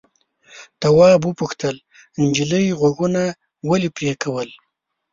تواب وپوښتل نجلۍ غوږونه ولې پرې کول.